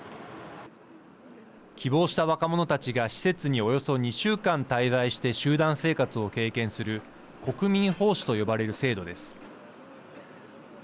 希望した若者たちが施設におよそ２週間滞在して集団生活を経験する国民奉仕と呼ばれる制度です。